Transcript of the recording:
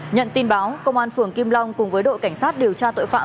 nhận tin báo công an phường kim long cùng với đội cảnh sát điều tra tội phạm